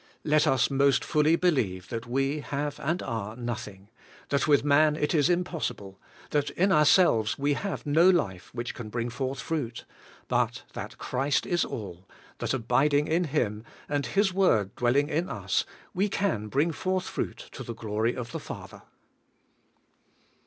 Let us most fully believe that we have and are nothing^ that with man it is impossible, that in ourselves we have no life which can bring forth fruit; but that Christ is all, — that abiding in Him, and His word dwelling in us, we can iring forth fruit to the glory of the Father.